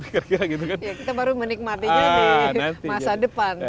kita baru menikmatinya di masa depan